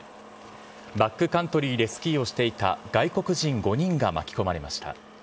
バックカントリーでスキーをしていた外国人５人が巻き込まれました。